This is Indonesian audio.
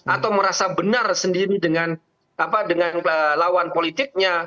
atau merasa benar sendiri dengan lawan politiknya